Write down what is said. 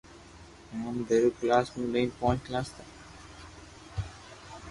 ھين ۾ پيرو ڪلاس مون لئين پونچ ڪلاس